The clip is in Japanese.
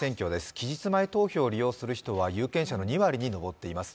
期日前投票を利用する人は有権者の２割に上っています。